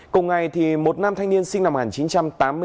cùng ngày một nam thanh niên sinh năm một nghìn chín trăm tám mươi bốn